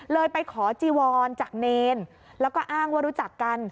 ไปขอจีวรจากเนรแล้วก็อ้างว่ารู้จักกัน